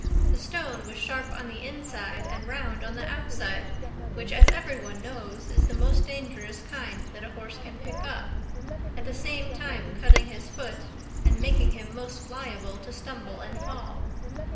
The stone was sharp on the inside and round on the outside, which, as every one knows, is the most dangerous kind that a horse can pick up, at the same time cutting his foot and making him most liable to stumble and fall.